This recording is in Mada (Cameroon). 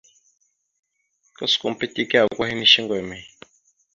Kuskom pitike ako hinne shuŋgo emey ?